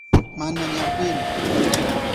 Mana nyia kwenu.